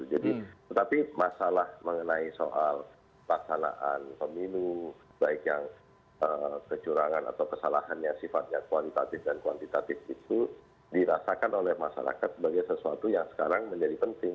jadi tetapi masalah mengenai soal kesalahan pemilu baik yang kecurangan atau kesalahannya sifatnya kualitatif dan kuantitatif itu dirasakan oleh masyarakat sebagai sesuatu yang sekarang menjadi penting